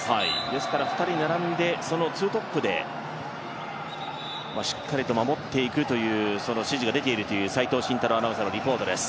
ですから２人並んでツートップでしっかりと守っていくという指示が出ているという齋藤慎太郎アナウンサーのリポートです。